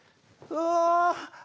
うわ！